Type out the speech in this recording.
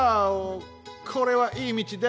これはいいみちです！